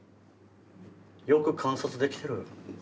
よく観察できてる。